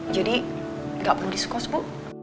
jadi nggak perlu diskos bu